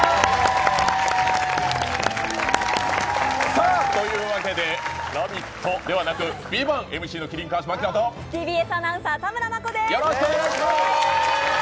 さあ、というわけで「ラヴィット！」ではなく「ＶＩＶＡＮＴ」ＭＣの麒麟・川島明とＴＢＳアナウンサー・田村真子です。